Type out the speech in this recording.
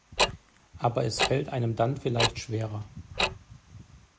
Aber es fällt einem dann vielleicht schwerer.